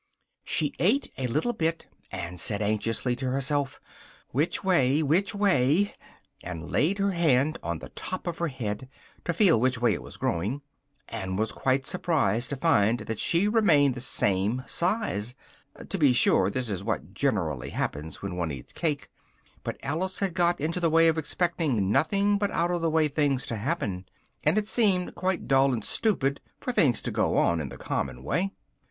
She ate a little bit, and said anxiously to herself "which way? which way?" and laid her hand on the top of her head to feel which way it was growing, and was quite surprised to find that she remained the same size: to be sure this is what generally happens when one eats cake, but Alice had got into the way of expecting nothing but out of the way things to happen, and it seemed quite dull and stupid for things to go on in the common way.